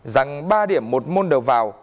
rằng ba điểm một môn đầu vào